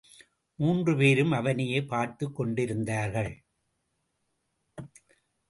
மூன்று பேரும் அவனையே பார்த்துக் கொண்டிருந்தார்கள்.